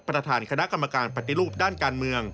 ประธานคณะกรรมการปฏิรูปด้านการเมือง